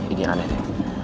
ini aneh deh